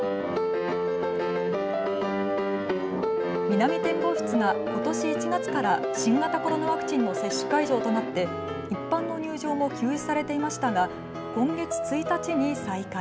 南展望室がことし１月から新型コロナワクチンの接種会場となって一般の入場も休止されていましたが今月１日に再開。